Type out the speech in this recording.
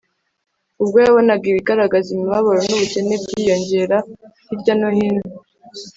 Ubwo yabonaga ibigaragaza imibabaro nubukene byiyongera hirya no hino